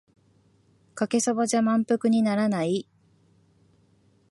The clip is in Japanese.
かけそばじゃ満腹にならない